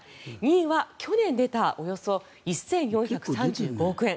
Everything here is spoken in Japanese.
２位は去年出たおよそ１４３５億円。